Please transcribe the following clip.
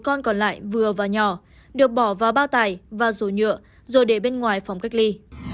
ba con còn lại vừa và nhỏ được bỏ vào bao tải và rổ nhựa rồi để bên ngoài phòng cách ly